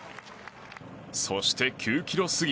そして、９ｋｍ過ぎ。